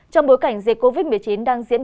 trong bối cảnh dịch covid một mươi chín đang diễn